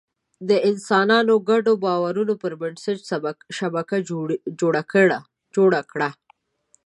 انسانانو د ګډو باورونو پر بنسټ شبکه جوړه کړه.